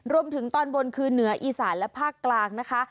รวมถึงตอนบนคือเหนืออีสานและภาคกลางนะคะ